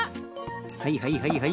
はいはいはいはい。